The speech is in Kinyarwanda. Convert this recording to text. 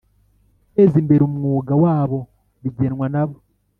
Guteza imbere umwuga wabo bigenwa na bo